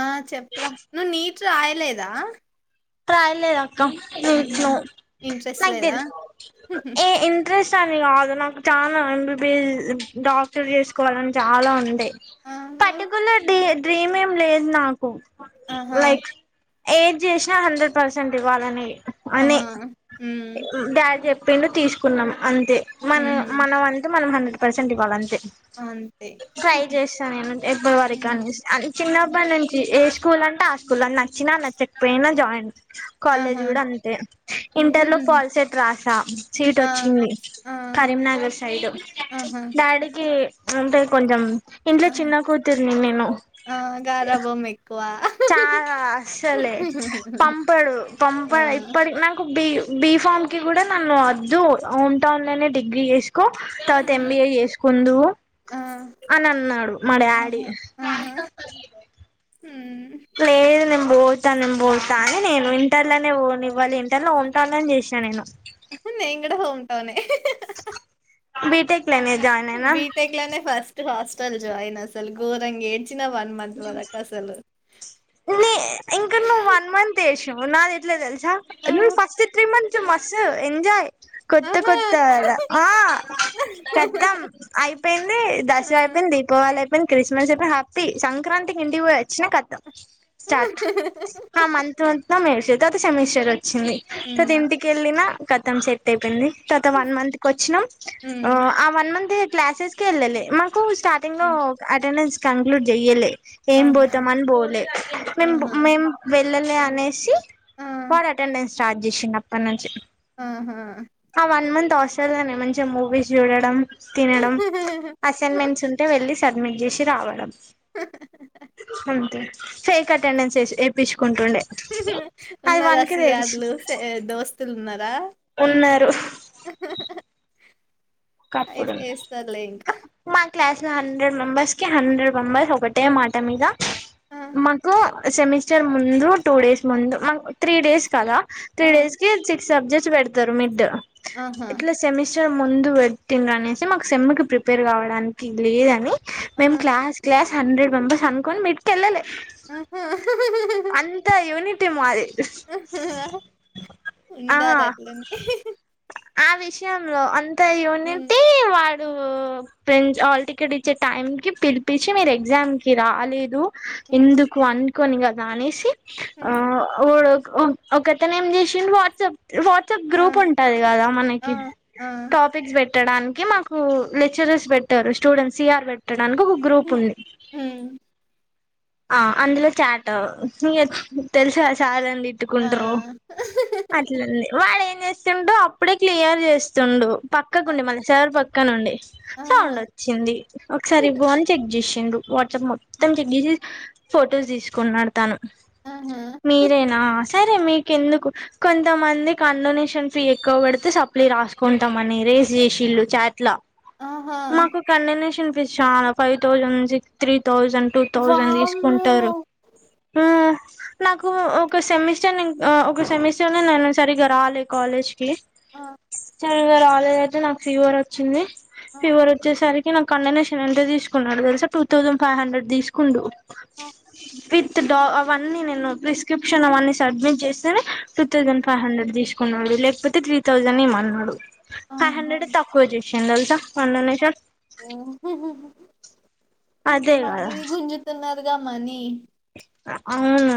ఆ చెప్పరా నువ్ నీట్ ట్ ఆయలేదా కయ లేద మీ ఇంట్రెస్ట్ నా తె లేదా ఏ ఇ ఇంట్రెస్ట్ అని కాదు నాకు చాలా M B B S doctor చేసుకోవాలని చాలా ఉండే ఆ మరి పట్టికులర్ డి ప్రీమియం లేదు నాకు ఆహా ఏజ్ ఇష్ హండ్రెడ్ పర్సెంట్ ఇవ్వాలని అనే ఆహా హ్మ్ డాడ్ చెప్ పిండు తీసుకున్నాం అంతే మన ఉహు మనం అంటే మన్ పర్సెంట్ ఇవ్వాలంతే అంతే ట్రై చేస్తా నేను ఎప్పటి వరకు హ్మ్ అని అ చిన్నప్పయి నుంచి ఏ స్కూల్ అంటే ఆ స్కూల్ని నచ్చినా నచ్చకపోయినా జాయిన్ కాలేజ్ ఆహా కూడా అంతే ఇంటర్ లో ఫల్సెట్ రాసా సీట్ ఆ వచ్చింది ఆ కరీంనగర్ సైడ్ ఆహా డాడీకి అంటే కొంచెం ఇంట్లో ఆ చిన్నకూతుర్నీ నేను ఆ గారాబం ఎక్కువ చాలా అసలే పంపడు ఆ పంపడు ఇప్పటికి నాకు కు బి బి ఫామ్ కి కూడా నన్ను వద్దు హోమ్ టౌన్ లోనే డిగ్రీ చేసుకో తర్వాత ఆ ఎం బీ ఏ చేసుకుందువు ఆ అని అన్నాడు మా డాడీ ఆహా ఆహా హ్మ్ లేదు నే బోధ్ తా పోతా అని నేను ఇంటర్లోనే పోనివ్వాలి ఇంటర్లో ఉంటానని చేస్నా నేను అవును బిటెక్ బీటెక్ లోనే ఫస్ట్ ఫస్ టల్ జాయిన్ అసల్ గోరంగేడ్ నే ఇంకా నువ్వు వన్ మంత్ వేసి నాది ఎట్లే తెల్సా ఆ నువ్ ఫస్ట్ త్రీ మంత్ మస్తీ ఎంజాయ్ కొత్త ఆహా కొత్తా కదా ఆ తెద్దాం అయిపోయింది. దసరా అయిపోయింది, దీపావళి అయిపో మేం క్రిస్మస్ జర్పి హ్యాపీ సంక్రాంతికిి ఇండికివోయచ్చిన కతం స్టార్ట్ ఆ మంత్ మం నా మే తెతత సెమిస్టర్ వొ చ్చింది తవత హ్మ్ ఇంటికెళ్ళి నా కత్ మొత్తం సెట్ అయిపేయింది తవాత వన్ మంత్ కొచ్చినాం ఒ హ్మ్ ఆ వన్ మంతే క్లాసెస్ కెల్లలే మ కు స్టార్టింగ్ లో హ్మ్ అటెండెన్స్ కన్ క్లుడ్ జెయ్యలే ఏం ఆహా బోతాం అని బోలే మేం ఆహా మేము వె లళ్లే అనేసి ఆ వాడ్ అటెండెన్స్ స్టార్ట్ జేసిండు అప్పడ్ నుంచి ఆహా ఆ వన్ మంత్ హాస్టల్లో నే మంచిగా మూవీస్ చూడడం తినడం అసైన్మెంట్స్ ఉంటే వెళ్ళి సబ్మిట్ జేసి రావడం అంతే ఫేక్ అటెండెన్స్ వేసి వేపిచ్ ఉన్నారా తెలుసు సియాదులు సె దోస్తులున్నారా ఉన్నారు ఒకప్పుడు అయితే ఏస్తారులే ఇంకా మా క్లాస్ లో హండ్రెడ్ మెంబర్స్ హండ్రెడ్ మెంబర్స్ ఒకటే మాట మీద ఆ మాకు సెమిస్టర్ ముందు టూ డేస్ ముందు మనకు త్రీ డేస్ కదా త్రీ ఆ డేస్ కి సిక్స్ సబ్జెక్ట్ చ్చి వెడతారు మిడ్డ్ ఆహా ఇట్ల సెమిస్ ముందు వెడు తిండు అనేసి మాకు సెమ్ కి ప్రిపేర్ కావడానికి లేదని ఆ మేమ్ క్లాస్ క్లాస్ హండ్రెడ్ మెంబర్స్ అనుకొని మిడ్ కెళ్ళలే ఆహా అంతా ఇవ్వని ట్టే మాది ఆహా ఉండాలట్లనే ఆ విషయంలో అ హు హు ఫ్రెండ్స్ హాల్ టికెట్ ఇచ్చే టైమ్ కి పిలిపిచ్చి మీరు ఎగ్జామ్ కి రాలేదు హ్మ్ ఎందుకు అం కొన్ని గాద అనేసి ఆ హ్మ్ అపుడు ఒకతను ఏం చేసిండు వాట్సాప్ వాట్సాప్ ఆ గ్రూప్ ఉంటది కదా ఆ మనకి ఆ టాపిక్స్ పెట్ పెట్టడానికి మాకు లెక్చరర్స్ పెట్టారు స్టూడెంట్ సిఆర్ పెట్ట దానికి ఒక గ్రూప్ హ్మ్ ఉంది హ్మ్ ఆ అందులో చాటు ఇగ తెలుసు కద సార్లులం నను ఆ తిట్టుకుంట్రు అట్లుంది వాడు ఎ చేస్తుండు అప్పుడే క్లియర్ చేస్తుండు ఆ పక్కకుండి మల్ల సర్ ప క్కనుండి ఆహా సౌండ్ అచ్చింది ఒకసారి ఇవ్వు అని చెక్ చేసి ఇందు వాట్ ఇట్ల మొత్తం కిందికి చూసి ఫొటోస్ తీసుకున్నాడు తను ఆహా మీరేనా సరే మీ ఎందుకు కొంతమంది కండొనేషన్ ఫీ ఎక్కువకడితే సప్లి రాసుకుంటాం అని రేస్ చేసిళ్ళు చాట్ల ఆహా మాకు కండోనేషన్ షాన పై thousand six three thousand two తౌ వామ్మో తెచ్కుంటరు ఆ నాకు ఒక సెమిస్టర్ నేను ఒక సెమిస్టర్ ని నేను సరిగా రాలే కాలేజ్ కి ఆ న రాలేద అయితే నాకు ఫీవర్ వచ్చింది ఆ ఫేవరుచే సరికి నాకు కండనేషన్ఎంత తీసుకున్నాడొ తెలుసా టూథౌసండ్ ఫైవ్ హండ్రెడ్ తీసుకు కుండు ఆ విత్ డా అవన్నీ నేను ప్రిస్క్రిప్షన్ అవన్నీ సబ్మిట్ చేస్తేనే టూ తౌజండ్ ఫైవ్ హండ్రెడ్ తీసు కున్నాడు లేకపోతే త్రీ థౌసండ్ ఇయమన్నాడు ఫైవ్ ఆహా హండ్రెడ్ తక్కువ సెందల్స [inaudible] కండనేషన్ అదే కదా మాది గుంజతున్నా గా మనీ అవును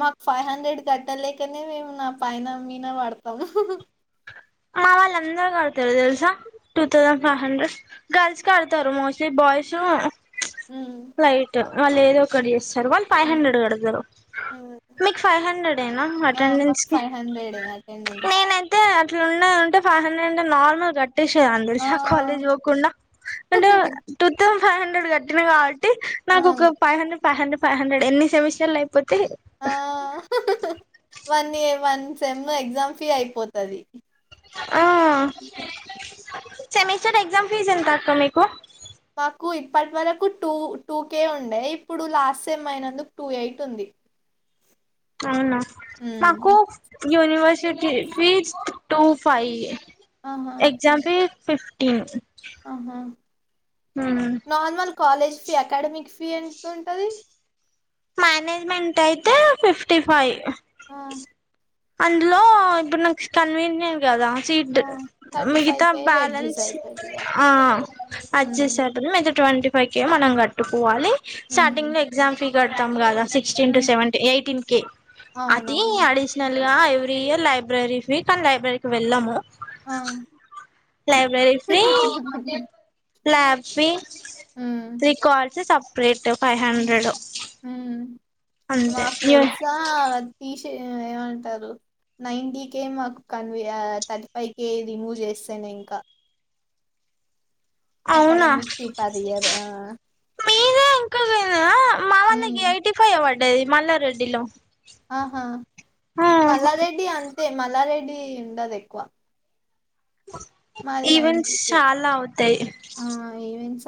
మాకు ఫైవ్ హండ్రెడ్ కట్టలేకనే మేము నా పైన మీనా వాడతాం మా వాళ్ళ అందరు కడతారు తెలుసా two thousand five hundred girls కడతారు మోస్ట్లీ బాయ్స్ ఉమ్, లైట్ ఆ లేదు ఒక్కటి చేస్త ఫైవ్ ఉమ్, హండ్రెడ్ కడతారు ఉమ్. మీకు ఫైవ్ హండ్రెడ్ ఎన ఆ మాకు అటెండెన్స్ కి ఫైవ్ హండ్రెడే అటెండెన్స్ మేము అయీతే ఇట్లు ఉన్నాయింట ఫైవ్ హండ్రెడ్ అంటే నార్మల్ కట్ ేష అ [unintelligible] ఆ తెలిస కాలేజ్ పోకుండా అంటే టత్ ఫైవ్ హండ్రడ్ కట్టిన కావట్టి ఆ నాకు ఒక five hundred five hundred five hundred ఎన్ని సెమిస్టర్ లు ఆ వన్ ఏ వన్ సెమ్ లో ఎగ్జామ్ ఫీ అయిపోతది ఆ సెమస్టర్ ఎక్సామ్ ఫీస్ ఎంత అక్క మీకు మాకు ఇప్పటి వరకు టూ టూ కే ఉంటది ఇప్పుడు లాస్ట్ సెమ్ అయినందుకు టూ ఎయిట్ ఉంది అవునా ఉమ్. మాకు university fees two five exam fee fifteen ఆహ నార్మల్ కాలజ్ ఫీ అకాడమిక్ ఫ ఇవి ఎంత ఉంటది మేనేజ్మెంట్ అయితే ఫిఫ్టీ ఫైవ్ ఆ అందులో ఇప్పుడు నాకు కన్వీనియయంట్ కదా సీట్ ఆ థర్టీ ఫైవ్ మిగతా కే రెడ్యూస్ బ్యాలెన్స్ అయితది ఇగ ఆ హ్మ్ అడ్జస్ట్ అవుతుంది ట్వంటీ ఫైవ్ కే మనం కట్టుకోవాలి హుహు స్టార్టింగ్ లో ఎగ్జామ్ ఫీ గడతమ్ లాగా sixteen to hmm seventeen eighteen K అతి అవునవును అడిషనల్ గా every year library week and లైబ్రరీకి వెళ్ళము ఆ లైబ్రరీ ఫ్రీ లాబ్ ఫ్రీ హ్మ్ త్రికాల్స్ సప్ రేట్ ఫైవ్ హండ్రెడ్ మ్ అంతే మాకు తెల్సా ఆతీష్ ఏమంటారు నైన్టీ కే మాకు కన్వే థర్టీ ఫైవ్ కే రిమూవ్ చేస్తేనే ఇంకా అవునా అకాడమిక్ ఫీ పర్ ఇయర్ ఆ మీరే ఇంకానా మావన్నకి హ్మ్ ఎయిటీ ఫైవ్ ఇవ్వ డేది మల్లారెడ్డి లో ఆహా మల్లారెడ్డి అం మల్లారెడ్డి ఉండదు ఎక్కువ మాది ఈవెంట్స్ నైన్టీ కే చాలా అవుతాయి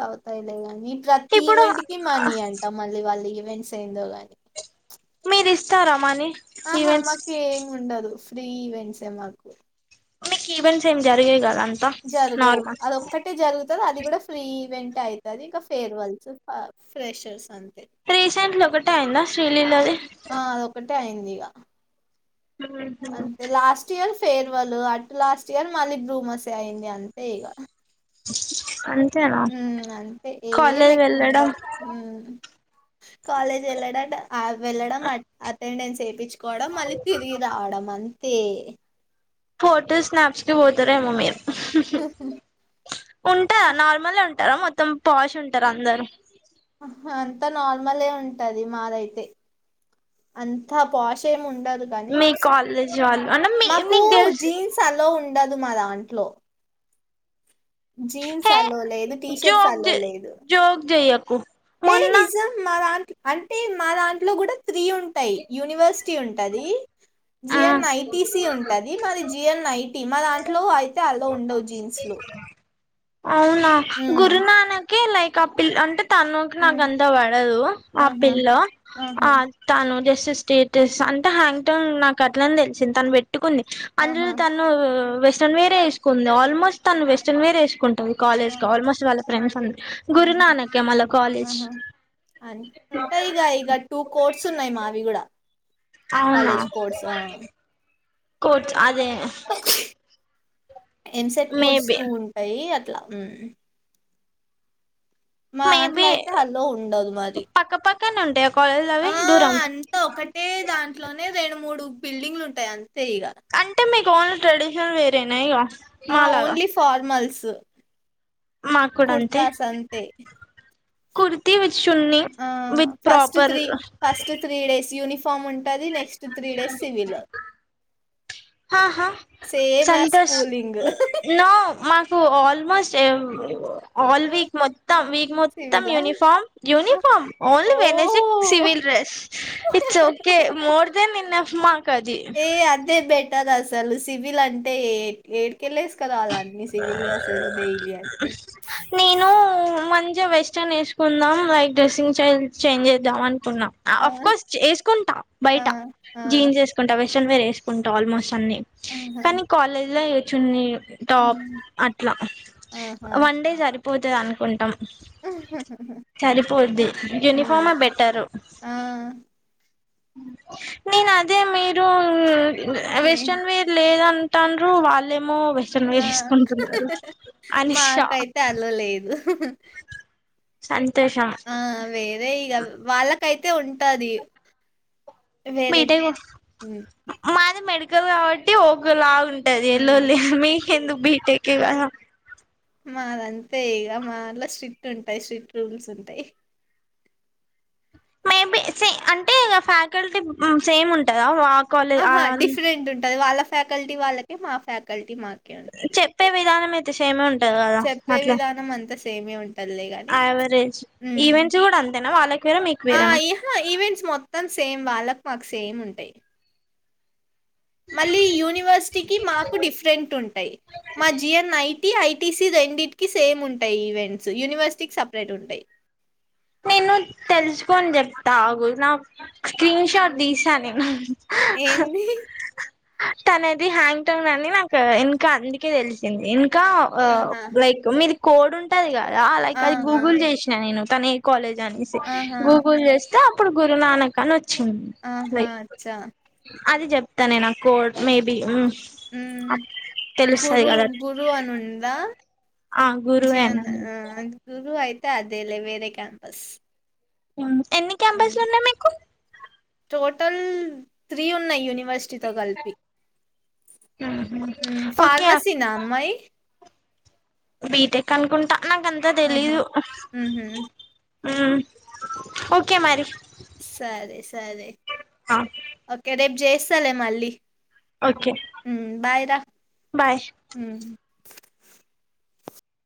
అవుతాయిలేగాని ప్రతి ఇప్పుడు ఈవెంట్ కి మనీ అంటా మళ్ళీ వాళ్ళు ఈవెంట్స్ అయిందో గానీ మీరీస్తారా మనీ ఆహా ఈవెంట్స్ మాకు ఏం ఉండదు త్రీ ఈవెంట్స్ మాకు మీకు ఈవెంట్స్ ఎం జరిగేయి కాద జరగవు అదొక్కటే జరుగుతది ఆది కూడా ఫ్రీ ఈవెంట్ అయితది ఇంకా ఫెర్వాల్స్ ఫా ఫ్రెషర్స్ అంత రీసెంట్లీ ఒకటే అయిందా శ్రీలీలది టే అయిందిగా అంతే లాస్ట్ ఇయర్స్ ఫేర్వలు అటు లాస్ట్ ఇయర్ మళ్ళీ భ్రూమసి అయింది అంతే ఇగా అ హు అంతే ఏం ఎక్కువ వెళ్ళడం ఉండవు హు కాలేజ్ వెళ్ళడటా ఆ వెళ్ళడం అటెండెన్స్ వేపించూ కోవడం మళ్ళీ తిరిగి రావడం అం అంతే ఫోటోస్ స్నాప్స్ కి పోతారేమో మీరు ఉంటా నార్మలే ఉంటా టారా మొత్తం పాష్ ఉంటారు అందరు అంతా నార్మలే ఉంటది మాదైతే అంతా పాష్ ఏమి ఉం డదు కానీ మీ కాలేజ్ వాళ్ళు అంటే మీ మాకు నీకు తెలుసు జీన్స్ అలో ఉండదు మా దాంట్లో జీన్స్ హే అలో లేదు టీషర్ట్స్ జోక్ అలో లేదు జోక్ చెయ్యకు ఏ మొన్న నిజం మా దాంట్లో అంటే మా దాంట్లో కూడా త్రీ ఉంటాయి యూనివర్సిటీ ఉంటది ఆ జిఎన్ ఐటిసి ఉంటది మది జిఎన్ ఐ ఏ మా దాంట్లో అయితే అల్లో ఉండవు జీన్స్ లు అవునా గురునానక్ లైక్ అప్పిల్ అంటే తనకి నాక ఉమ్ అంత పడదు ఆ ఆహా పిల్ల ఆహా ఆ తను స్టేటస్ అంటే హ్యాంగ్ టౌంగ్ నాకు అట్లానే తెలిసింది తను పెట్ పెట్టుకుంది అందులో ఆహా తను వెస్ట్రన్ వేరేసుకుంది ఆల్మోస్ట్ తను వెస్ట్రన్ వేర్ వేసుకుంట ఆహ గురునానకే మళ్ళ కాలేజ్ ఆహా అ ఉంటా ఇక ఇక టూ కోర్స్ ఉన్నాయి మావి కూడా అవునా కాలేజ్ కోర్స్ ఆ కోర్స్ ఆది అదే ఎంసెట్ కోర్స్ మేబి టూ ఉంటాయి. ఇట్లా హు మా దాంట్లో మేబి అయితే అల్లో ఉండదు మరి పక్కన ఉండే ఆ అంతా ఒకటే దాంట్లోనే రెండు మూడు బిల్డింగ్లు ఉంటాయి అ అంతే ఇగ టోన్లీ ట్రెడిషన్ల్ వేర్ ఏనా ఇగ ఆ మాలాగా ఓన్లీ ఫార్మల్స్ మాకు కూడా కుర్తాస్ అంతే కుర్తివి షున్ని ఆ విత్ ఫస్ట్ ప్రాపర్ ఫామ్ ఉంటది next three days civil హాహా same as Santosh schooling no మా కు ఆల్మోస్ట్ ఎవ్ ఆల్ వీక్ మొత్తం వీక్ మొత్తం సివిలా uniform uniform only Wednesday oh civil dress it's okay more than enough మా ఏ అదే బెట్ ట్టదసలు సివిల్ అంటే ఏ ఏడికెళ్ళేసుకోరావాల అన్నీ సివిల్ డ్రెసెస్ డైలీ అంటే చిగ వెస్టర్న్ వేసుకుందాం లైక్ డ్రెసింగ్ స్టైల్ చేంజ్ చేద్దాం అన్ కున్నా ఆ! అఫ్ కోర్స్ ఏసుకుంటా ఆ! బయట ఆ! జీన్స్ వేసుకుంటా వె షన్ ఏసుకుంటా ఆల్మోస్ట్ అన్నీ ఆహా! కానీ కాలేజ్ లో ఎ చున్నీలు ఆహా! టాప్ అట్లా ఆహా! వన్ డే సరి పోతది అనుకుంటాం సరిపోద్ది హ్మ్. యూనిఫామే బెటరు ఆ! నేను అదే మీరు లే వెస్ట్రన్ వేర్ లేదం టండ్రు వాళ్ళేమో వె ఆ అని షాక్ మాకైతే అలో లేదు షన్ ఆ వేరే ఇగ వాళ్ళకైతే ఉంటది వేరే బీటేగు హ్మ్. మాది మెడి కల్ కాబట్టి ఒకలాగున్ టది ఎల్లో లే హ్మ్. మీకెందుకు బీటె కివాహ మాదంతే ఇగా మాదట్లో స్ట్రిక్ట్ ఉంటాయి. స్ట్రిక్ట్ రూల్స్ ఉంటాయి మేబి సే అంటే ఫ్యాకల్టీ సేమ్ ఉంటందా వా ఆహా డిఫరెంట్ ఉంటది వాళ్ళ ఫ్యాకల్టీ వాళ్ళకే మా ఫ్యాకల్టీ మాకే ఉంటది. చెప్పే విధానం అయితే సేమే ఉంటది. కదా చెప్పే అట్లా విధానం అంతా సేమే ఉం టాదిలే కానీ యావరేజ్ హ్మ్ ఈవెంట్స్ కూడా అంతేనా వాళ్ళకి వేరే మీకు ఆ వేరేనా ఏమో ఈవెంట్స్ మొత్తం సేమ్ వాళ్ళక్ మాకు సేమ్ ఉంటాయి. మళ్ళీ యూనివర్సిటీకి మాకు డిఫరెంట్ ఉంటాయి. మా జియన్ నై ఐటీసీ రెండింటికి సేమ్ ఉంటాయి. ఈవెంట్స్ యూనివర్సిటీ సపరేట్ ఉంటాయి. నేను తెలుసుకని చెప్తాగు. నా స్క్రీన్ షాట్ తీసా నేను ఏంది తనది హ్యాంగ్టౌంగ్ అని నాకు ఇంకా అందుకే తెలిసింది ఇంకా ఆహా! లైక్ మీది కోడ్ ఉంటదిగా ఆ! లైక్ అది ఆ! గూగుల్ చేసినా నేను తనే కాలేజ్ ఆహా! [unintelligible] గూగుల్ చేసి అప్పుడు గురునానక్ అను వ వచ్చింది ఆహా! వెయిట్ అచ్చా! అది చెప్తా నే నాకు కోడ్ మేబి హ్మ్ హ్మ్ గురు గురు అని ఉందా ఆ [unintelligible] గురువేనా ఐదుగురు ఐదు అదేలే వేరే క్యాంపస్ అ ఎన్ని హ్మ్. క్యాంపస్లు ఉన్నాయి. మీకు టోటల్ త్రీ ఉన్నాయి. యూని యూనివర్సిటీ తో కలిపి ఓకే ఫార్మసి నా అమ్మాయి బీటెక్ అనుకుంటా నాకంతా ఆహా! తెలీదు హుహు. ఓకే మరి సరే సరే ఓకే రేప్ చేస్తలే మళ్ళీ ఓకే హు బాయ్ రా బాయ్ హు